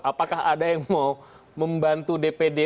apakah ada yang mau membantu dpd